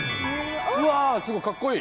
うわすごいかっこいい！